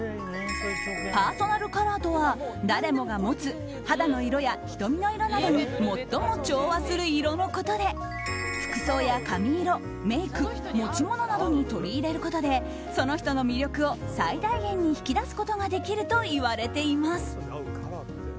パーソナルカラーとは誰もが持つ肌の色や瞳の色などに最も調和する色のことで服装や髪色、メイク持ち物などに取り入れることでその人の魅力を最大限に引き出すことができるといわれています。